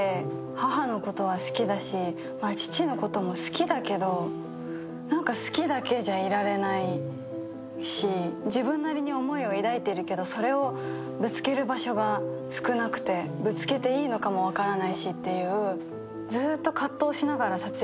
母のことは好きだし父のことも好きだけど好きだけじゃいられないし、自分なりに思いを抱いているけど、それをぶつける場所が少なくて、ぶつけていいのかも分からないしっていう。